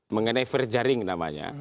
mengenai verjaring namanya